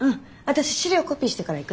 私資料コピーしてから行くね。